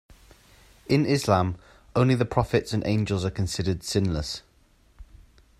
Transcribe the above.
In Islam, Only the prophets and Angels are considered sinless.